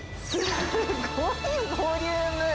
すごいボリューム。